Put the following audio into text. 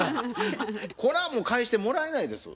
これはもう返してもらえないですよ。